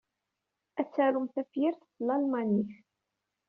Ad tarum tafyirt s tlalmanit.